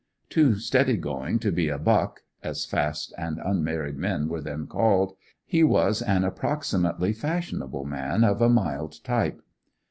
Too steady going to be 'a buck' (as fast and unmarried men were then called), he was an approximately fashionable man of a mild type.